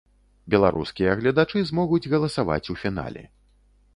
Беларускія гледачы змогуць галасаваць у фінале.